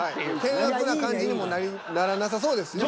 険悪な感じにもならなさそうですしね。